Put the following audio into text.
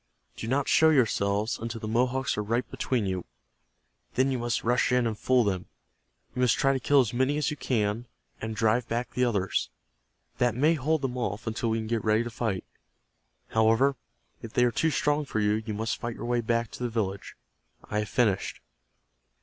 Do not show yourselves until the Mohawks are right between you. Then you must rush in and fool them. You must try to kill as many as you can, and drive back the others. That may hold them off until we can get ready to fight. However, if they are too strong for you, you must fight your way back to the village. I have finished."